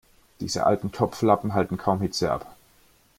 Diese alten Topflappen halten kaum Hitze ab.